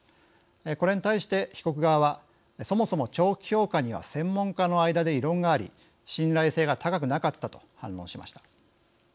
これに対して被告側はそもそも長期評価には専門家の間で異論があり信頼性が高くなかったと反論しました。